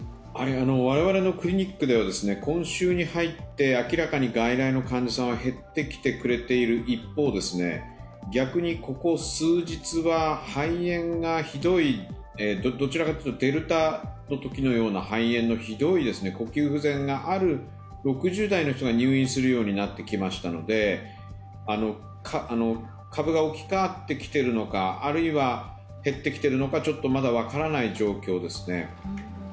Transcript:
我々のクリニックでは今週に入って明らかに外来の患者さんは減ってきてくれている一方、逆にここ数日は肺炎がひどい、どちらかというとデルタのときのような肺炎の、ひどい呼吸不全がある６０代の人が入院するようになってきましたので株が置き換わってきているのかあるいは減ってきているのかちょっとまだ分からない状況ですね。